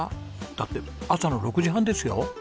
だって朝の６時半ですよ？